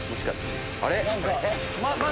あれ？